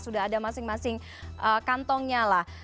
sudah ada masing masing kantongnya lah